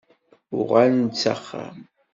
Uɣal-d s axxam.